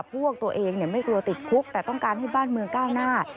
พวกตัวเองไม่กลัวติดคุกแต่ต้องการให้บ้านเมืองก้าวหน้า